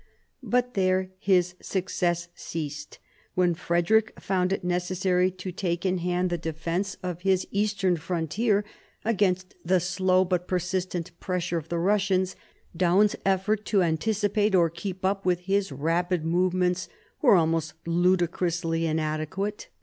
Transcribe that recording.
But there his success ceased. When Frederick found it necessary to take in hand the defence of his /' 148 MARIA THERESA chap.vii t eastern frontier against the slow but persistent pressure of the Russians, Daun's effort to anticipate or keep up with his rapid movements were almost ludicrously in adequate.